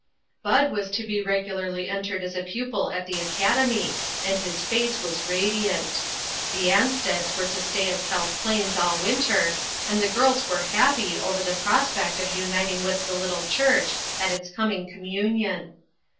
Bud was to be regularly entered as a pupil at the Academy, and his face was radiant. The Ansteds were to stay at South Plains all winter, and the girls were happy over the prospect of uniting with the little church at its coming communion.